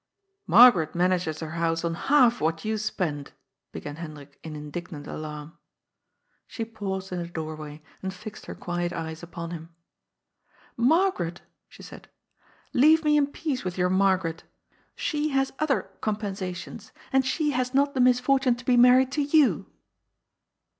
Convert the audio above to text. ^' Margaret manages her house on half what you spend " began Hendrik in indignant alarm. She paused in the doorway and fixed her quiet eyes upon him. '' Margaret !" she said. *^ Leave me in peace with your Margaret. She has other compensations. An^ she has not the misfortune to be married to you."